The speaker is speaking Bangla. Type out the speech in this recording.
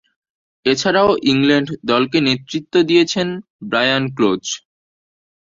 এছাড়াও, ইংল্যান্ড দলকে নেতৃত্ব দিয়েছেন ব্রায়ান ক্লোজ।